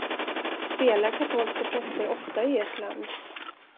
Spelar katolska präster ofta i ert land?